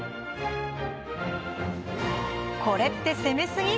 「これって攻めすぎ！？